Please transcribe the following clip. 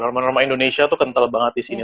aroma norma indonesia tuh kental banget di sini